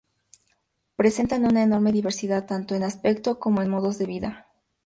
Presentan una enorme diversidad, tanto en aspecto como en modos de vida.